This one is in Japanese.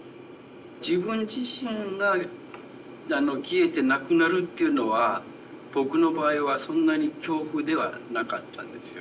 自分自身があの消えてなくなるっていうのは僕の場合はそんなに恐怖ではなかったんですよ。